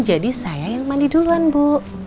jadi saya yang mandi duluan bu